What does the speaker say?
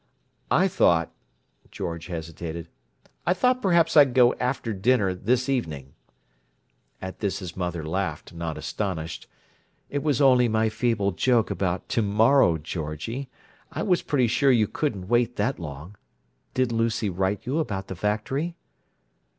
"I thought—" George hesitated. "I thought perhaps I'd go after dinner this evening." At this his mother laughed, not astonished. "It was only my feeble joke about 'to morrow,' Georgie! I was pretty sure you couldn't wait that long. Did Lucy write you about the factory?"